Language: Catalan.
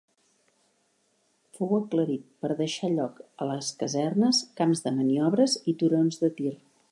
Fou aclarit per deixar lloc a les casernes, camps de maniobres i turons de tir.